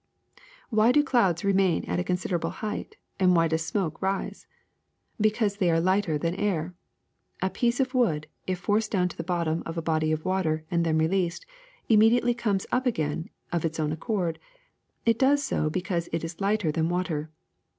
Why do clouds re main at a considerable height, and why does smoke rise ? Because they are lighter than air. A piece of wood, if forced down to the bottom of a body of water and then released, immediately comes up again of its own accord; it does so because it is lighter than water.